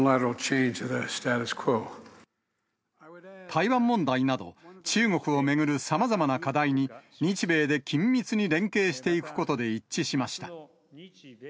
台湾問題など、中国を巡るさまざまな課題に、日米で緊密に連携していくことで一致しました。